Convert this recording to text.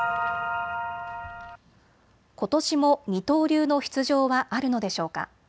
ことしも二刀流の出場はあるのでしょうか。